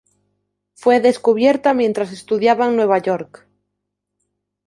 Fue descubierta mientras estudiaba en Nueva York.